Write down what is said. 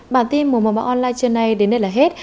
bản tin mùa màu màu online trưa nay đến đây là hết